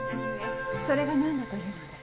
それが何だというのです？